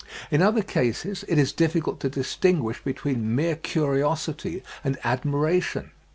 In other cases it is difficult to distinguish between mere curiosity and admiration.